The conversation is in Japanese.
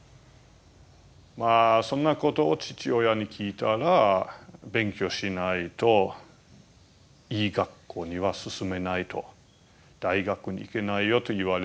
まあそんなことを父親に聞いたら「勉強しないといい学校には進めない」と「大学に行けないよ」と言われて。